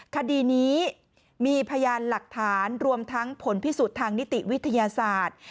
คดีนี้มีพยานหลักฐานรวมทั้งผลพิสูจน์ทางนิติวิทยาศาสตร์